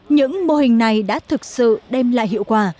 những mô hình này đã thực sự đem lại hiệu quả